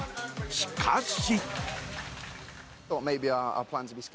しかし。